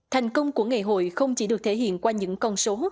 thành công của ngày hội không chỉ được thể hiện qua những con số